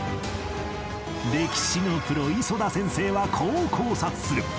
歴史のプロ磯田先生はこう考察する